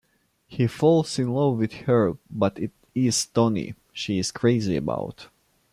He falls in love with her but it is Tony she is crazy about.